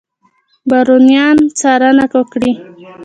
بارونیان څارنه وکړي.